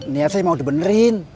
niat saya mau dibenerin